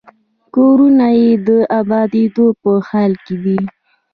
کورونه یې د ابادېدو په حال کې دي.